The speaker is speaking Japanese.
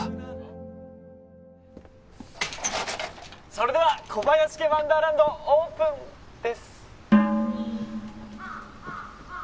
それでは小林家ワンダーランドオープンです。